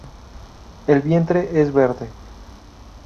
El vientre es verde.